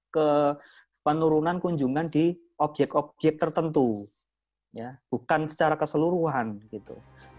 ke penurunan kunjungan di objek objek tertentu ya bukan secara keseluruhan gitu